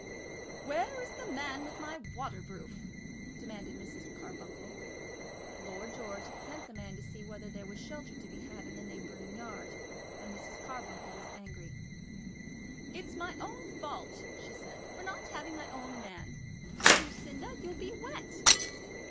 "Where is the man with my waterproof?" demanded Mrs. Carbuncle. Lord George had sent the man to see whether there was shelter to be had in a neighbouring yard. And Mrs. Carbuncle was angry. "It's my own fault," she said, "for not having my own man. Lucinda, you'll be wet."